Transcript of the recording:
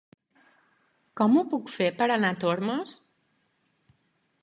Com ho puc fer per anar a Tormos?